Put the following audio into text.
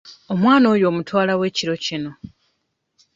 Omwana oyo omutwala wa ekiro kino?